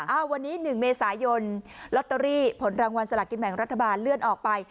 วันนี้๑เมษายนลอตเตอรี่ผลรางวัลสละกินแบ่งรัฐบาลเลื่อนออกไป